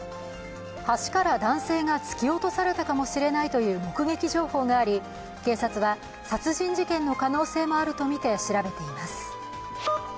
橋から男性が突き落とされたかもしれないという目撃情報があり警察は殺人事件の可能性もあるとみて調べています。